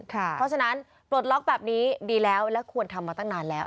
เพราะฉะนั้นปลดล็อกแบบนี้ดีแล้วและควรทำมาตั้งนานแล้ว